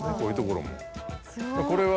これは。